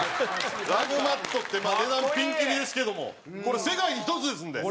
ラグマットって値段ピンキリですけどもこれ世界に１つですんで。